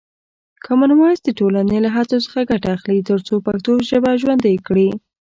کامن وایس د ټولنې له هڅو څخه ګټه اخلي ترڅو پښتو ژبه ژوندۍ کړي.